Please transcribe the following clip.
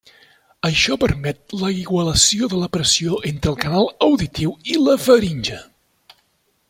Això permet la igualació de la pressió entre el canal auditiu i la faringe.